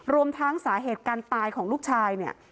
รวมทั้งสาเหตุการตายของลูกชายเนี่ย